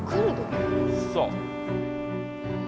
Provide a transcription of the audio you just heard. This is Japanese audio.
そう。